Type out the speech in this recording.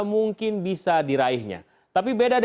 yang terakhir adalah pertanyaan dari anak muda